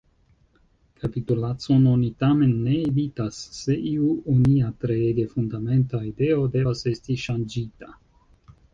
Kapitulacon oni tamen ne evitas, se iu onia treege fundamenta ideo devas esti ŝanĝita.